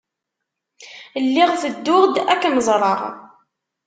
Lliɣ tedduɣ-d ad kem-ẓreɣ.